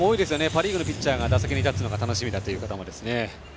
パ・リーグのピッチャーが打席に立つのが楽しみだという方。